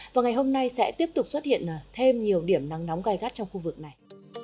và ngày hôm nay sẽ tiếp tục xuất hiện thêm nhiều điểm nắng nóng gai gắt trong khu vực này